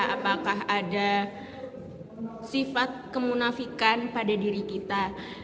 apakah ada sifat kemunafikan pada diri kita